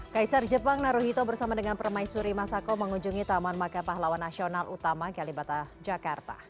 kaisar jepang naruhito bersama dengan permaisuri masako mengunjungi taman maka pahlawan nasional utama kalibata jakarta